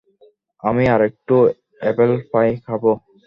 আমি আরো একটু অ্যাপল পাই খাব!